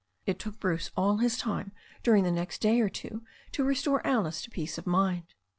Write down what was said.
It took Bruce all his time during the next day or two to restore Alice to peace of mind.